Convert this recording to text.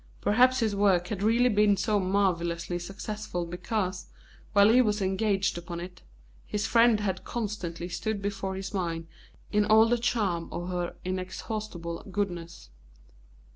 Perhaps his work had really been so marvellously successful because, while he was engaged upon it, his friend had constantly stood before his mind in all the charm of her inexhaustible goodness.